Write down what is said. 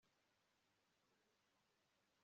yabasekuruza bacu niko bigenda